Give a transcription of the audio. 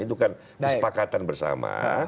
itu kan kesepakatan bersama